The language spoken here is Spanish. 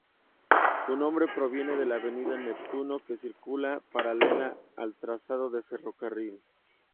Su nombre proviene de la Avenida Neptuno, que circula paralela al trazado del ferrocarril.